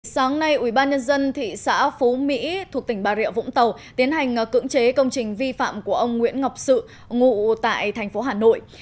sáng nay ubnd thị xã phú mỹ thuộc tỉnh bà rịa vũng tàu tiến hành cưỡng chế công trình vi phạm của ông nguyễn ngọc sự ngụ tại thành phố hà nội